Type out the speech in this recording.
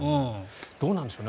どうなんでしょう。